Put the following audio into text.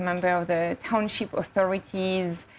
member dari perusahaan kota